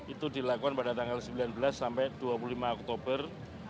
itu dilakukan pada tanggal sembilan belas sampai dua puluh lima oktober dua ribu dua puluh tiga